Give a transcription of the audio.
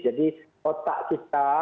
jadi otak kita